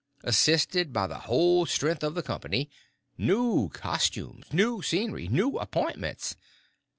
Assisted by the whole strength of the company! New costumes, new scenery, new appointments!